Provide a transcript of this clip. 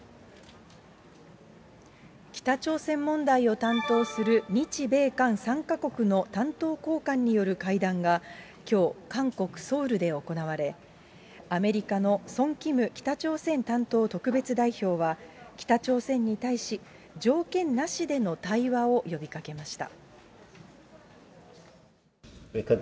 北朝鮮問題を担当する、日米韓３か国の担当高官による会談が、きょう、韓国・ソウルで行われ、アメリカのソン・キム北朝鮮担当特別代表は、北朝鮮に対し、条件なしでの対話を呼びかけました。